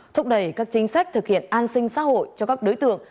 thúc đẩy các chính sách thực hiện an sinh xã hội cho các đối tượng